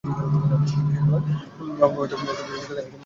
কিন্তু শেষবার বলেই হয়তো পরশু সত্যি খানিকটা নার্ভাস হয়ে পড়েছিলেন ক্যালিস।